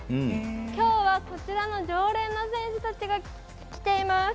きょうはこちらの常連の選手たちが来ています。